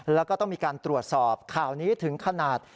แล้วก็ต้องมีการตรวจสอบข่าวนี้ถึงขนาด